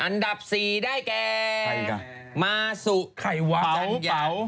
อันดับ๔ได้ย